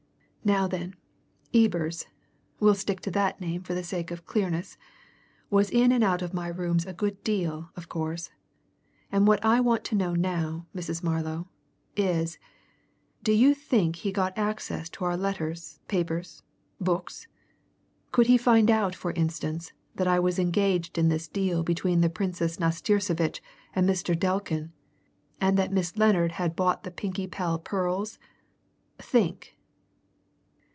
Now then, Ebers we'll stick to that name for the sake of clearness was in and out of my rooms a good deal, of course. And what I want to know now, Mrs. Marlow, is do you think he got access to our letters, papers, books? Could he find out, for instance, that I was engaged in this deal between the Princess Nastirsevitch and Mr. Delkin, and that Miss Lennard had bought the Pinkie Pell pearls? Think!"